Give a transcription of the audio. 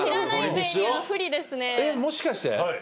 えっもしかして。